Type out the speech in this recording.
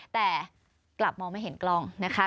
แต่กลับมองไม่เห็นกล้องนะคะ